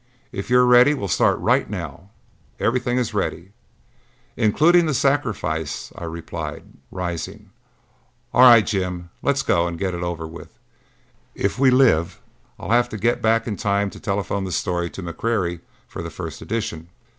If you're ready we'll start right now. Everything is ready." "Including the sacrifice," I replied, rising. "All right, Jim, let's go and get it over with. If we live, I'll have to get back in time to telephone the story to McQuarrie for the first edition."